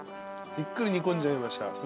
「じっくり煮込んじゃいました！」